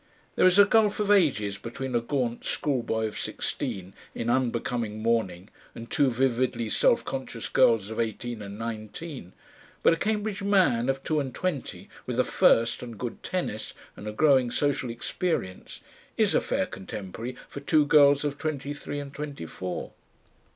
There is a gulf of ages between a gaunt schoolboy of sixteen in unbecoming mourning and two vividly self conscious girls of eighteen and nineteen, but a Cambridge "man" of two and twenty with a first and good tennis and a growing social experience, is a fair contemporary for two girls of twenty three and twenty four.